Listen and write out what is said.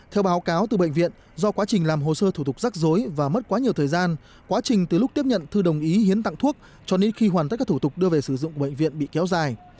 theo báo cáo từ bệnh viện do quá trình làm hồ sơ thủ tục rắc rối và mất quá nhiều thời gian quá trình từ lúc tiếp nhận thư đồng ý hiến tặng thuốc cho đến khi hoàn tất các thủ tục đưa về sử dụng của bệnh viện bị kéo dài